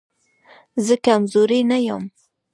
زه کمزوری نه يم